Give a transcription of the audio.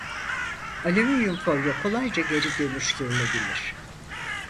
Alüminyum folyo kolayca geri dönüştürülebilir.